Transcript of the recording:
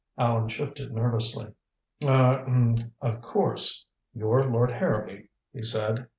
Allan shifted nervously. "Ah er of course, you're Lord Harrowby," he said.